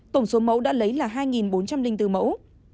tổng số mẫu đã lấy là hai bốn trăm linh bốn mẫu